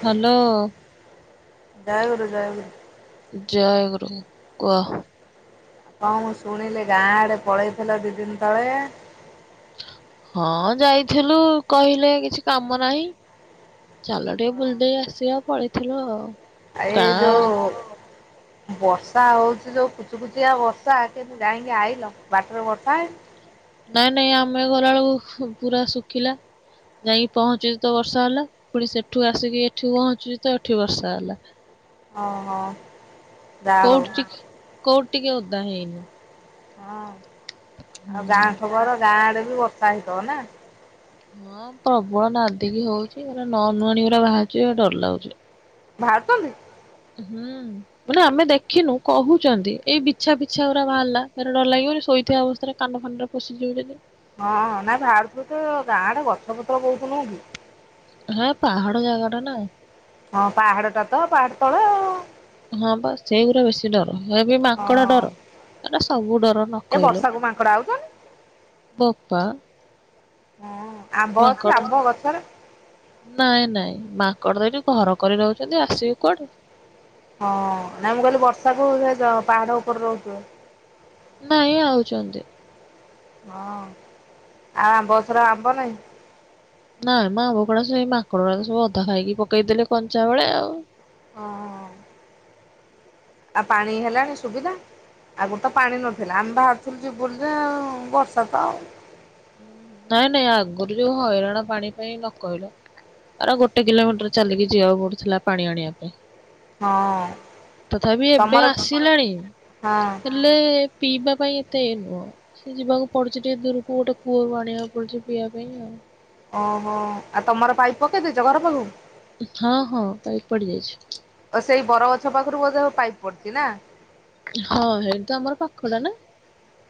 Hello. ଜୟ ଗୁରୁ-ଜୟ ଗୁରୁ। ଜୟ ଗୁରୁ କୁଅ। କଣ ମୁଁ ଶୁଣିଲି ଗାଁ ଆଡେ ପଳେଇଥିଲ ଦି ଦିନ ତଳେ। ହଁ ଯାଇଥିଲୁ କହିଲେ କିଛି କାମ ନାହିଁ। ଚାଲ ଟିକେ ବୁଲଦେଇ ଆସିବା ପଳେଇଥିଲୁ ଆଉ। ଆଏ ଗାଁ ଯୋଉ ବର୍ଷା ହଉଛି ଯୋଉ କୁଚୁକୁୁଚିଆ ବର୍ଷା କେମିତି ଯାଇକି ଆଇଲ ବାଟରେ ବର୍ଷା ହେଇନି? ନାଇଁ ନାଇଁ ଆମେ ଗଲାବେଳକୁ ପୁରା ଶୁଖିଲା। ଯାଇକି ପହଞ୍ଚୁଛି ତ ବର୍ଷା ହେଲା ପୁଣି ସେଠୁ ଆସିକି ଏଠି ପହଞ୍ଚୁଛି ତ ଏଠି ବର୍ଷା ହେଲା। ହଁ ହଁ। କଉଠି ଟିକ କଉଠି ଟିକେ ଓଦା ହେଇନି। ହଁ ଆଉ ଗାଁ ହୁଁ ଖବର ଗାଁ ଆଡେ ବି ବର୍ଷା ହେଇଥିବ ନା? ହଁ ପ୍ରବଳ ନାଦିକି ହଉଛି ନ ନୂଆଣି ପୁରା ବାହାରୁଛି ଡର ଲାଗୁଛି। ବାହାରଛନ୍ତି? ହୁଁ। ମାନେ ଆମେ ଦେଖିନୁ କହୁଛନ୍ତି ଏଇ ବିଛା ବିଛା ପୁରା ବାହାରିଲା ଫେରେ ଡର ଲାଗିବନି ଶୋଇଥିବା ଅବସ୍ଥାରେ। କାନ ଫାନରେ ପଶିଯିବ ଯଦି। ହଁ ନାଇଁ ବାହାରୁଥିବ ତ ଗାଁ ଆଡ଼େ ଗଛ ପତ୍ର ବହୁତ୍ ନୁହଁ କି। ହଁ ପାହାଡ଼ ଜାଗା ଟା ନା। ହଁ ପାହାଡଟା ତ ପାହାଡ ତଳ ଆଉ। ହଁ ବା ସେଇଗୁଡା ବେଶୀ। ଡର ଏ ବି ମାଙ୍କଡ ହଁ ଡର ଏଟା ସବୁ ଡର ନ ଏ କହି ବର୍ଷାକୁ ମାଙ୍କଡ଼ା ଆଉଛନ୍ତି? ବୋପା। ହୁଁ ଆମ୍ବ ମାଙ୍କଡ ଅଛି ଆମ୍ବ ଗଛରେ? ନାଇଁ ନାଇଁ ମାଙ୍କଡ ଦେଇଠି ଘର କରି ରହୁଛନ୍ତି ଆସିବେ କୁଆଡୁ। ହଁ ନାଇଁ ମୁଁ କହିଲି ବର୍ଷାକୁ ପାହାଡ ଉପରେ ରହୁଥିବ। ନାଇଁ ଆଉଛନ୍ତି। ହଁ ଆଉ ଆମ୍ବ ଗଛରେ ଆମ୍ବ ନାଇଁ? ନାଇଁ ମା ଆମ୍ବ ଗୁଡା ସେଇ ମାଙ୍କଡ ଗୁଡା ସବୁ ଅଧା ଖାଇକି ପକେଇଦେଲେ କଞ୍ଚା ବେଳେ ଆଉ। ଓହୋ। ଆଉ ପାଣି ହେଲାଣି ସୁବିଧା ଆଗରୁ ତ ପାଣି ନଥିଲା ଆମେ ବାହାରୁଥିଲୁ ଯୁ ବୋଲିଯେ ବର୍ଷା ତ ଆଉ। ନାଇଁ ନାଇଁ ଆଗରୁ ଯୋଉ ହଇରାଣ ପାଣି ପାଇଁ ନ କହିଲ ଆରେ ଗୋଟେ କିଲୋମିଟର ଚାଲିକି ଯିବାକୁ ପଡୁଥିଲା ପାଣି ଆଣିବା ପାଇଁ। ହଁ। ତଥାପି ଏବେ ତମର ଆସିଲାଣି। ହଁ ହେଲେ ପିଇବା ପାଇଁ ଏତେ ନୁହଁ, ସେ ଯିବାକୁ ପଡୁଛି ଟିକେ ଦୂରକୁ ଗୋଟେ କୂଅରୁ ଆଣିବାକୁ ପଡୁଚି ପିଇବା ପାଇଁ ଆଉ। ଓହୋ, ଆଉ ତମର ପାଇପ ପକେଇଦେଇଛ ଘର ହଁ ହଁ ପାଇପ୍ ପାଖକୁ? ପଡିଯାଇଛି ଆ ସେଇ ବରଗଛ ପାଖରୁ ବୋଧ ପାଇପ ପଡିଛି ନା। ହଁ ସେଇଠି ତ ଆମର ପାଖଟା ନା।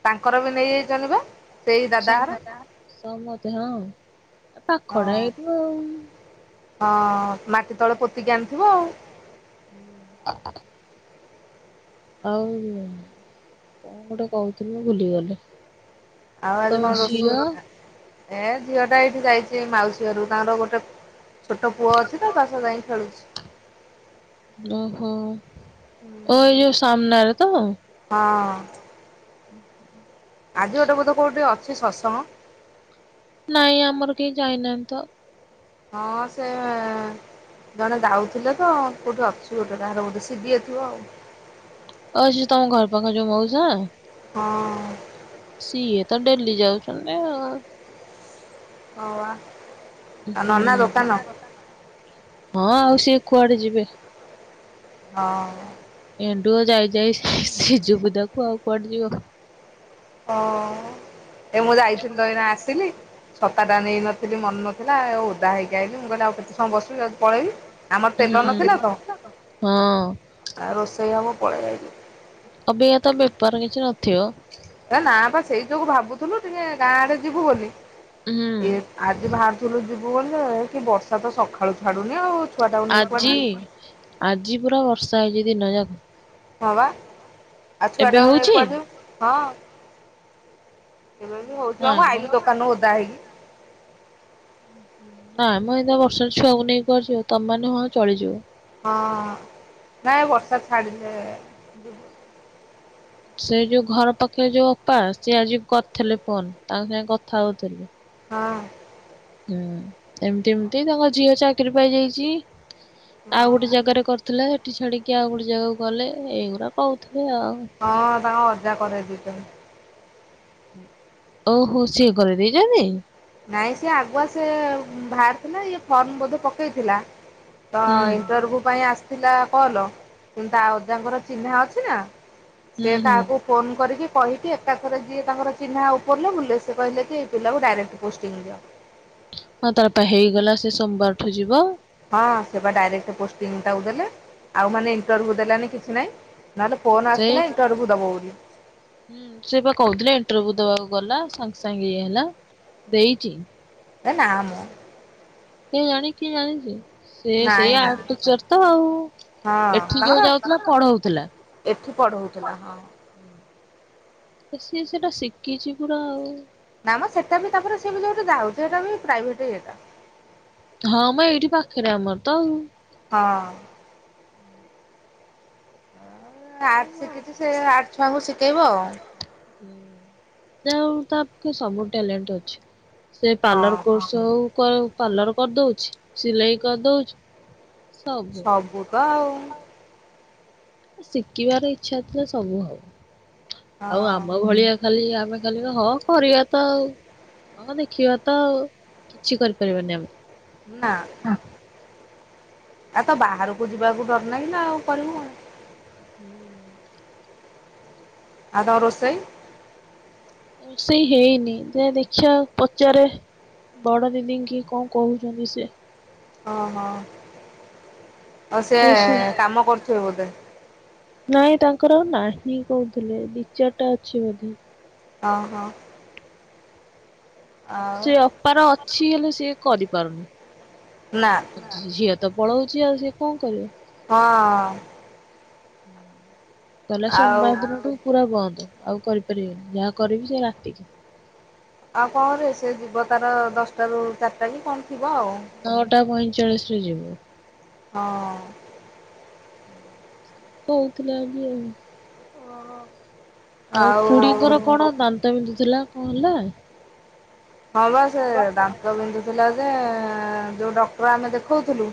ତାଙ୍କର ବି ନେଇଯାଇଛନ୍ତି ବା? ସେଇ [unintelligible] ଦାଦା ଘର ସମସ୍ତେ ହଁ ପାଖ ଟା ହଁ। ଏଇଠୁ ଆଉ। ହଁ ମାଟି ତଳେ ପୋତିକି ଆଣିଥିବ ଆଉ। [unintelligible] ଆଉ, କଣ ଗୋଟେ କହୁଥିଲ ଭୁଲିଗଲି। ଆଉ ଆଜି ତମ କଣ ରୋଷେଇ ଝିଅ? ଏ ଝିଅ ଟା ଏଇଠି ଯାଇଛି ମାଉସୀ ଘରକୁ, ତାଙ୍କର ଗୋଟେ ଛୋଟ ପୁଅ ଅଛି ତ ତା ସହ ଯାଇଁ ଖେଳୁଛି। ଓହୋ, ଓ ଏଇ ଯୋଉ ସାମ୍ନାରେ ତ। ହଁ। [inaudible] ଆଜି ଗୋଟେ ବୋଧ କୋଉଠି ଅଛି ଶତ୍ସଙ୍ଗ? ନାଇଁ ଆମର କେହି ଯାଇନାହାନ୍ତି ତ। ହଁ, ସେ ଜଣେ ଯାଉଥିଲେ ତ କୋଉଠି ଅଛି ଗୋଟେ କାହାର ଗୋଟେ ସିିବି ଥିବ ଆଉ। ଓ ସେ ଯୋଉ ତମ ଘର ପାଖରେ ଯୋଉ ମଉସା? ହଁ। ସିଏ ତ ଡେଲି ଯାଉଛନ୍ତି ଆଉ। ହଁ, ବା। ହୁଁ, ହଁ ଆଉ ସିଏ କୁଆଡେ ଯିବେ। ହଁ। ଏଣ୍ଡୁଅ ଯାଇ ଯାଇ ସିଯୁବୁଦାକୁ ଆଉ କୁଆଡେ ଯିବ। ଓ, ଏ ମୁଁ ଯାଇଥିଲି ତ ଏଇନା ଆସିଲି। ଛତାଟା ନେଇନଥିଲି ମନେ ନଥିଲା ଆଉ ଓଦା ହେଇକି ଆଇଲି, ମୁଁ କହିଲି ଆଉ କେତେ ସମୟ ବସିବି ଯାଉଚି ପଳେଇବି। ଆମର ତେଲ ନଥିଲା ତ, ହଁ ଆ ରୋଷେଇ ହବ ପଳେଇ ଆଇଲି। ଏବେ ଏତେ ବେପାର କିଛି ନଥିବ। ନା ବା ସେଇ ଯୋଗୁ ଭାବୁଥିଲୁ ଟିକେ ଗାଁ ଆଡେ ଯିବୁ ବୋଲି। ହୁଁ ଇଏ ଆଜି ବାହାରାରୁଥିଲୁ ଯିବୁ ବୋଲି। କି ବର୍ଷା ତ ସକାଳୁ ଛାଡୁନି ଆଉ। ଛୁଆଟାକୁ ନେଇ କୁଆଡେ ଆଜି ଯିବି ଆଜି ପୁରା ବର୍ଷା ହେଇଛି ଦିନ ଯାକ ହଁ ବା, ଆଉ ଏବେ ଛୁଆଟାକୁ ନେଇ ହଉଛି? କୁଆଡେ ଯିବୁ। ହଁ ଏବେ ବି ହଉଛି ବା ନାଇଁ ମୁଁ ମ। ଆଇିଲି ଦୋକାନରୁ ଓଦା ହେଇକି। ହୁଁ ନାଇମ ଏମିତିଆ ବର୍ଷାରେ ଛୁଆକୁ ନେଇକି କୁଆଡେ ଯିବୁ ତମେ ମାନେ ହଁ ଚଳିଯିବ। ହଁ, ନାଇଁ ବର୍ଷା ଛାଡିଲେ। [inaudible] ସେ ଯୋଉ ଘର ପାଖେ ଯୋଉ ଅପା ସିଏ ଆଜି କରିଥିଲେ ଫୋନ୍ ତାଙ୍କ ସାଙ୍ଗେ କଥା ହଉଥିଲି। ହଁ ହୁଁ ଏମିତି ଏମ୍ତି ତାଙ୍କ ଝିଅ ଚାକିରି ପାଇଯାଇଛି। ଆଉ ଗୋଟେ ହଁ ଜାଗାରେ କରୁଥିଲା ସେଠି ଛାଡିକି ଆଉ ଗୋଟେ ଜାଗାକୁ ଗଲେ ଏଇଗୁଡା କହୁଥିଲେ ଆଉ। ହଁ, ତାଙ୍କ ଅଜା କରେଇ ଦେଇଛନ୍ତି। ଓହୋ ସିଏ କରିଦେଇଚନ୍ତି। ନାଇଁ ସେି ଆଗୁଆ ସେ ବାହାରି ଥିଲା ଇଏ ଫର୍ମ ବୋଧେ ପକେଇଥିଲା ତ ହୁଁ। ଇଣ୍ଟରଭ୍ୟୁ ପାଇଁ ଆସିଥିଲା କଲ୍ ତା ଓଜାଙ୍କର ଚିହ୍ନା ଅଛି ନା ହୁଁ ସେ ହୁଁ କାହାକୁ ଫୋନ୍ କରିକି କହିକି ଏକାଥରେ ଯିଏ ତାଙ୍କର ଚିହ୍ନା ଉପରିଲ ବୁଲେ ସେ କହିଲେ ଯେ ଏଇ ପିଲାକୁ ଡାଇରେକ୍ଟ୍ ପୋଷ୍ଟିଙ୍ଗ୍ ହଁ ତାର ପା ହେଇଗଲା ସେ ସୋମବାରଠୁ ଯିବ ଆଉ ହଁ ସେଟ ଡାଇରେକ୍ଟ ପୋଷ୍ଟିଂ ଟକୁ ଦେଲେ ଆଉ ମାନେ ଇଣ୍ଟରଭ୍ୟୁ ଦେଲାନି କିଛି ନହିଁ ନହେଲେ ଫୋନ୍ ସେ ଆସିଥିଲା ଇଣ୍ଟରଭ୍ୟୁ ଦବ ବୋଲି। ହୁଁ ସେ ପା କହୁଥିଲେ ଇଣ୍ଟରଭ୍ୟୁ ଦେବାକୁ ଗଲା ସାଙ୍ଗେ ସାଙ୍ଗେ ଇଏ ହେଲା ଦେଇଚି ଏ ନା ମ କେ ଜାଣି କିଏ ଜାଣିଚି ସେ ସେଇ ନାଇଁ ନାଇଁ ଆର୍ଟସ୍ ଟିଚର୍ ତ ଆଉ ହଁ ଏଠି ତାଙ୍କର ଯୋଉ ଯାଉଥିଲା ପଢ଼ଉଥିଲା। ଏଠି ପଢଉଥିଲା ହଁ ସିଏ ସେଟା ଶିଖିଛି ପୁରୁରା ଆଉ ନା ସେଟା ବି ତାପରେ ସେ ବି ଯୋଉଟା ହଉଛି ସେଇଟା ବି ପ୍ରାଇଭେଟ୍ ଇଏଟା ହଁ ମ ଏଇଠି ପାଖରେ ଆମର ତ ଆଉ। ହଁ। ଆର୍ଟସ୍ ହଉ ଆଉ ଶିଖିଛି ସେ ଆର୍ଟସ୍ ଛୁଆଙ୍କୁ ଶିଖେଇବ ଆଉ। ଯା ହଉ ତା ପାଖେ ସବୁ ଟ୍ୟାଲେଣ୍ଟ୍ ଅଛି ସେ ଆଉ ପାର୍ଲର ହଁ କୋର୍ସ୍ ଯୋଉ କ ପାର୍ଲର କରିଦଉଛି ସିଲେଇ କରିଦଉଛି ସବୁ ତ ଆଉ ଶିଖିବାର ଇଚ୍ଛା ଥିଲା ସବୁ ହବ ଆଉ ଆମ ହଁ ଭଳିଆ ଖାଲି ଆମେ ଖାଲି ହଁ କରିବା ତ ଆଉ ହଁ ଦେଖିବା ତ ଆଉ କିଛି କରିପାରିବନି ଆମେ। ନା ହଁ। ଆ ତ ବାହାରକୁ ଯିବାକୁ ଡର ନାଗିଲା କି ନା ଆଉ କରିବୁ କଣ। ହୁଁ ଆଉ ତମ ରୋଷେଇ ରୋଷେଇ ହେଇନି ଯେ ଦେଖିବା ପଚାରେ ବଡ ଦିଦି କି କଣ କହୁଛନ୍ତି ସିଏ। ଓ ହଁ ଆଉ ସିଏ ସେ ସୁ କାମ କରୁଥିବେ ବୋଧେ। ନାଇଁ ତାଙ୍କର ଆଉ ନାହିଁ କହୁଥିଲେ, ଦି ଚାରିଟା ଅଛି ବୋଧେ। ହଁ-ହଁ। ଆଉ ସେ ଅପାର ଅଛି ହେଲେ ସିଏ କରିପାରୁନି। ନା। ଝିଅ ତ ପଳଉଚି ଆଉ ସିଏ କଣ କରିବ। ହଁ। ତାହେଲେ ଆଉ ସୋମବାର ଦିନଠୁ ପୁରା ବନ୍ଦ ଆଉ କରିପାରିବିନି, ଯାହା କରିବି ସେ ରାତିକି। ଆଉ କଣ ରେ ସେ ଯିବ ତାର ଦଶଟା ରୁ ଚାରିଟା କି କଣ ଥିବ ଆଉ। ନଅଟା ପଇଁଚାଳିଶ ରେ ଯିବୁ। ହଁ। କହୁଥିଲା ଆଜି ଆଉ। ଆଉ ଖୁଡିଙ୍କର କଣ ଦାନ୍ତ ବିନ୍ଧୁଥିଲା କଣ ହେଲା? ହଁ ବା ସେ ଦାନ୍ତ ବିନ୍ଧୁଥିଲା ଯେ, ଯୋଉ ଡକ୍ଟର ଆମେ ଦେଖଉଥିଲୁ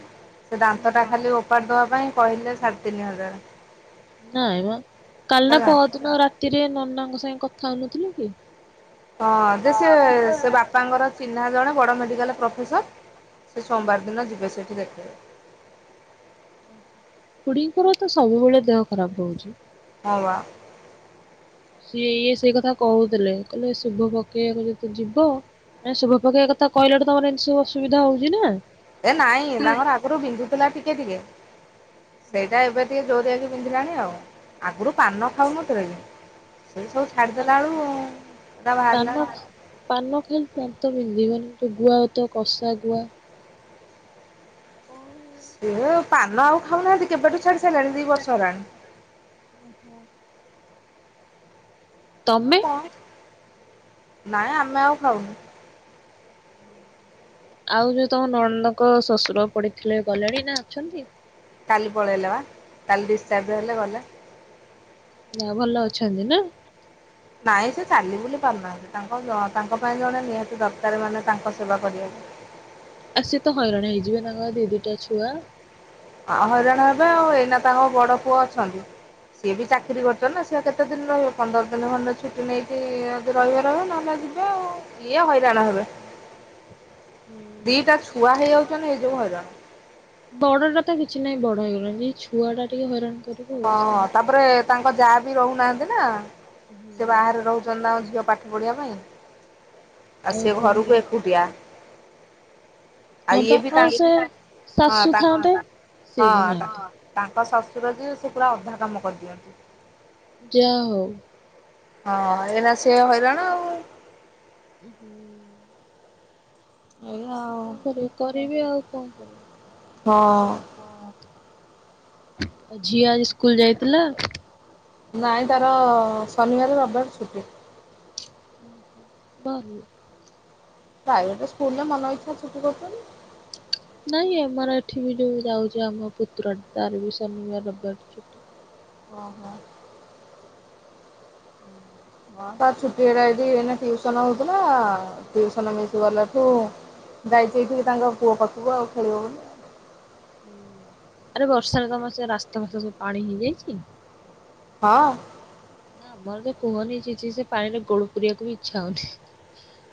ସେ ଦାନ୍ତଟା ଖାଲି ଓପାଡ଼ି ଦେବା ପାଇଁ କହିଲେ ସାଢ଼େ ତିନି ହୁଁ। ହଜାର। ନାଇଁ ମା କାଲି ନା ହେଲା। ପଅରଦିନ ରାତିରେ ନନାଙ୍କ ସାଙ୍ଗେ କଥା ହଉନଥିଲେ କି? ହଁ ଯେ ସେ-ସେ ବାପାଙ୍କର ଚିହ୍ନା ଜଣେ ବଡ଼ ମେଡ଼ିକାଲ୍ ପ୍ରଫେସର୍। ସେ ହୁଁ। ସୋମବାର ଦିନ ଯିବେ ସେଇଠି ଦେଖେଇବେ। ଖୁଡିଙ୍କର ତ ସବୁବେଳେ ଦେହ ଖରାପ ରହୁଛି। ହଁ ବା। ସିଏ ଇଏ ସେଇ କଥା କହୁଥିଲେ କହିଲେ ଶୁଭ ପକେଇବାକୁ ଯେତୁ ଯିବ ଏ ଶୁଭ ପକେୟା କଥା କହିଲାଠୁ ତମର ଏମତି ସବୁ ଅସୁବିଧା ହଉଚି ନା। ଏ ନାଇଁ ତାଙ୍କର ଆଗରୁ ବିନ୍ଧୁଥିଲା ଟିକେ-ଟିକେ ସେଇଟା ଏବେ ଟିକେ ଜୋରିଆକି ବିନ୍ଧିଲାଣି ଆଉ, ଆଗୁରୁ ପାନ ଖାଉନଥିଲେ କି। ସେଇ ସବୁ ପାନ ଛାଡିଦେଲା ବେଳୁ ସେଟା ବାହାରିଲାଣି ଆଉ। ପାନ ଖାଇଲେ ଦାନ୍ତ ବିନ୍ଧିବନି ଯୋଉ ଗୁଆ ତ କଷା ଗୁଆ। [unintelligible] ସେ ପାନ ଆଉ ଖାଉନାହାନ୍ତି କେବେଠୁ ଛାଡି ସାରିଲାଣି ଦି ବର୍ଷ ହେଲାଣି। [unintelligible] ହଁ ତମେ କଣ, ନାଇଁ ଆମେ ଆଉ ଖାଉନୁ। ଆଉ ଯୋଉ ତମ ନଣନ୍ଦଙ୍କ ଶ୍ୱଶୁର ପଡିଥିଲେ ଗଲେଣି ନା ଅଛନ୍ତି? କାଲି ପଳେଇଲେ ବା କାଲି ଡିସଚାର୍ଜ ହେଲେ ଗଲେ। ଯାହଉ ଭଲ ଅଛନ୍ତି ନା? ନାଇଁ ସେ ଚାଲି ବୁଲି ପାରୁନାହାନ୍ତି ତାଙ୍କ-ତାଙ୍କ ପାଇଁ ଜଣେ ନିହାତି ଦରକାର ମାନେ ତାଙ୍କ ସେବା କରିବାକୁ। ଆଉ ସିଏ ତ ହଇରାଣ ହେଇଯିବେ ତାଙ୍କର ଦି ଦିଟା ଛୁଆ। ଆଉ ହଇରାଣ ହେବେ ଆଉ ଏଇନା ତାଙ୍କ ବଡ ପୁଅ ଅଛନ୍ତି। ସିଏ ବି ଚାକିରି କରିୁଚନ୍ତି ନା, ସିଏ ଆଉ କେତେ ଦିନ ରହିବେ ପନ୍ଦର ଦିନ ଖଣ୍ଡ ଛୁଟି ନେଇକି ଯଦି ରହିବେ-ରହିବେ ନହେଲେ ଯି ବେ ଆଉ ଇଏ ହଇରାଣ ହେବେ। ଦିଟା ଛୁଆ ହେଇଯାଉଚନ୍ତି ଏଇ ଯୋଗୁ ହଇରାଣ। ବଡଟା ତ କିଛି ନାଇଁ ବଡ ହେଇଗଲାଣି ଏଇ ଛୁଆ ଟା ଟିକେ ହଇରାଣ କର୍ ହଁ ତାପରେ ତାଙ୍କ ଜା ବି ରହୁନାହାନ୍ତି ନା, ନା। ହୁଁ। ସେ ବାହାରେ ରହୁଛନ୍ତି ତାଙ୍କ ଝିଅ ପାଠ ପଢ଼ଆ ପାଇଁ, ଆଉ ସେ ଘରୁକୁ ଏକୁଟିଆ। ଆଉ ହଁ ଇଏ ପା ବି ସେ ତାଙ୍କ ହଁ ଶାଶୁ ତା ଥାନ୍ତେ ସିଏ ହଁ ବି ତା ନାହାନ୍ତି। ତାଙ୍କ ଶଶୁର ଯିଏ ସେ ପୁରା ଅଧା କାମ କରିଦିଅନ୍ତି। ଯା ହଉ। ହଁ ଏଇନା ସେ ହଇରାଣ। ଆଉ କଣ କରିବେ-କରିବେ ଆଉ କଣ କରିବେ। ହଁ। ହଁ ଆଉ ଝିଅ ଆଜି ସ୍କୁଲ ଯାଇଥିଲା? ନାଇଁ ତାର ଶନିବାର, ରବିବାର ଛୁଟି। ଓହୋ। ଭଲ। ପ୍ରାଇଭେଟେ ସ୍କୁଲରେ ମନ ଇଚ୍ଛା ଛୁଟି କରୁଚନ୍ତି। ନାଇଁ ଆମର ଏଠି ବି ଯୋଉ ଯାଉଚି ଆମ ପୁତୁରାଟା ତାର ବି ଶନିବାର, ରବିବାର ଛୁ ଓହୋ। ହୁଁ। ହଁ ତା ଛୁଟିହେଲା ଏଇଠି ଏଇନା ଟିଉସନ ହଉଥିଲା, ଟିଉସନ ମିସ୍ ଗଲାଠୁ ଯାଇଛି ଏଇଠିକି ତାଙ୍କ ପୁଅ ପାଖକୁ ଆଉ ଖେଳିବ ବୋଲି। ଆରେ ବର୍ଷାରେ ତମ ସେ ରାସ୍ତା ଫସ୍ତା ସବୁ ପାଣି ହେଇଯାଇଚି? ହଁ। ନା ଆମର ଯେ କୁହନି ଛି-ଛି ସେ ପାଣିରେ ଗୋଡ ପୁରେଇବାକୁ ବି ଇଚ୍ଛା ହଉନି।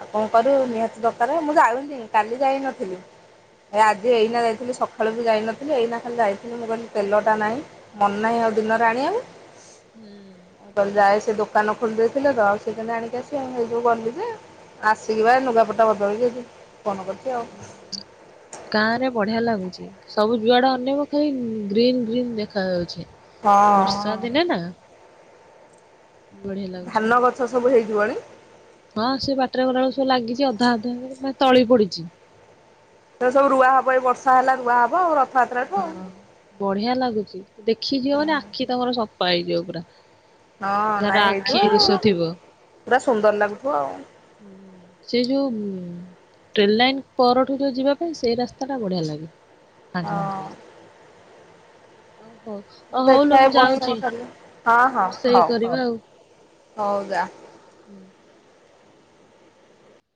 ଆଉ କଣ କରିବୁ ନିହାତି ଦକାରେ ମୁଁ ଯାଉନି କାଲି ଯାଇନଥିଲି। ଏ ଆଜି ଏଇନା ଯାଇଥିଲି ସକାଳୁ ବି ଯାଇନ ଥିଲି ଏଇନା ଖାଲି ଯାଇଥିଲି ମୁଁ କହିଲି ତେଲଟା ନାହିଁ ମନ ନାହିଁ ଆଉ ଦିନରେ ଆଣିବାକୁ। ହୁଁ। ମୁଁ କହିଲି ଯାଏ ସେ ଦୋକାନ ଖୋଲି ଦେଇଥିଲେ ତ ଆଉ ସେ କେନ୍ତି ଆଣିକି ଆସିବେ, ସେଇ ଯୋଗୁ ଗଲି ଯେ। ଆସିକି ବା ଲୁଗାପଟା ବଦଳିକି ଏଠି ଫୋନ କରିଛି ଆଉ [unintelligible] ଗାଁ ରେ ବଢିଆ ଲାଗୁଚି ସବୁ ଯୁଆଡେ ଅନେଇବ ଖାଲି ଗ୍ରୀନ୍-ଗ୍ରୀନ୍ ଦେଖାଯାଉଛି। ହଁ ବର୍ଷାଦିନେ ନା ବଢିଆ ଲାଗୁଛି। ଧାନ ଗଛ ସବୁ ହେଇଯିବଣି ହଁ ସେ ବାଟରେ ଗଲା ବେଳକୁ ସବୁ ଲାଗିଚି ଅଧା ଅଧା ମାନେ ତଳି ପଡିଚି। ସେ ସବୁ ରୁଆ ହବ ଏଇ ବର୍ଷା ହେଲା ରୁଆ ହବ ଆଉ ରଥଯାତ୍ରାଠୁ ଆଉ। ବଢିଆ ଲାଗୁଚି ଦେଖିଯିବ ମାନେ ଆଖି ତମର ସଫା ହେଇଯିବ ପୁରା। ହଁ ଯାହାର ନାଇଁ ଆଖି ହେଇଥିବ ଆଉ, ଦୋଷ ଥିବ ପୁରା ସୁନ୍ଦର୍ ଲାଗୁଥିବ ଆଉ। ସେଇ ଯୋଉ ହୁଁ। ଟ୍ରେନ୍ ଲାଇନ୍ ପରଠୁ ଯୋଉ ଯିବା ପାଇଁ ସେଇ ରାସ୍ତାଟା ବଢ଼ିଆ ଲାଗେ। ଫାଙ୍କା-ଫାଙ୍କା ରାସ୍ତା। ହଁ ଓ ହଉ ଲୋ ଦେଖିଆ ଏ ମୁଁ ବର୍ଷା ଯାଉଛି କଣ ଛାଡ଼ିଲେ, ହଁ-ହଁ ରୋଷେଇ କରିବା ଆଉ। ହଉ-ହଉ ଯା।